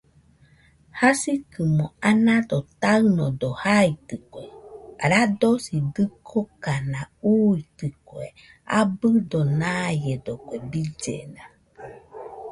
Jasikɨ anado taɨnodo jaitɨkue , radosi dɨkokana uuitɨkue abɨdo naiedo kue billena